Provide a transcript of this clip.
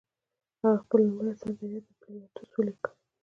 هغه خپل لومړی اثر دریا د پیلاتوس ولیکه.